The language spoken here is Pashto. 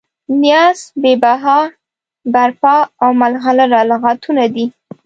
نیاز، بې بها، برپا او ملغلره لغتونه دي.